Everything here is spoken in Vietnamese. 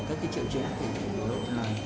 các cái triệu chế thì cũng đúng là